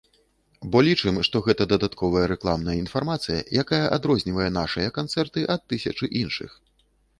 Бо лічым, што гэта дадатковая рэкламная інфармацыя, якая адрознівае нашыя канцэрты ад тысячы іншых.